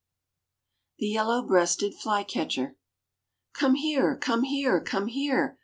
THE YELLOW BREASTED FLYCATCHER. "Come here! come here! come here!